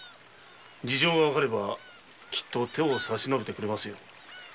事情が分かればきっと手を差しのべてくれますよ。